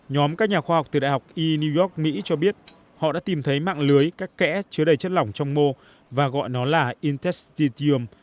nhóm các nhà khoa học từ đại học e new york mỹ cho biết họ đã tìm thấy mạng lưới các kẽ chứa đầy chất lỏng trong mô và gọi nó là intesitium